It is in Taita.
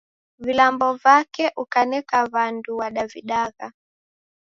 Vilambo vake ukaneka W'andu wadavidagha.